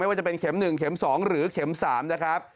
ว่าจะเป็นเข็ม๑เข็ม๒หรือเข็ม๓นะครับ